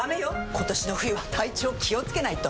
今年の冬は体調気をつけないと！